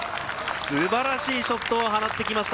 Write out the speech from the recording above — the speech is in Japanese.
素晴らしいショットを放って来ました！